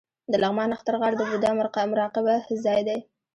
د لغمان نښتر غار د بودا مراقبه ځای دی